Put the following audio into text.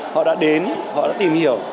họ đã đến họ đã tìm hiểu